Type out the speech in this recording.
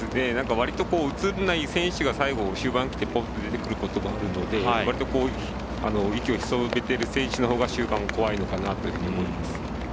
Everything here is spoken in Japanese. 映らない選手が、終盤にぽっと来ることもあるので割と息を潜めている選手のほうが終盤怖いのかなと思います。